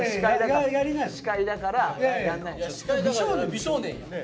美少年やん。